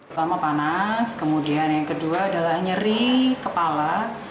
pertama panas kemudian yang kedua adalah nyeri kepala